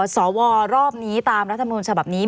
สวรอบนี้ตามรัฐมนุนฉบับนี้